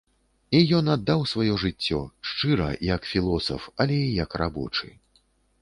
І ён аддаў сваё жыццё, шчыра, як філосаф, але і як рабочы.